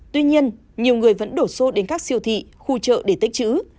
tuy nhiên nhiều người vẫn đổ xô đến các siêu thị khu chợ để tích chữ